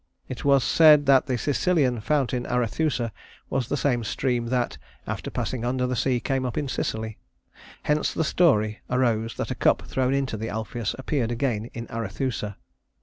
It was said that the Sicilian fountain Arethusa was the same stream that, after passing under the sea, came up again in Sicily. Hence the story arose that a cup thrown into the Alpheus appeared again in Arethusa.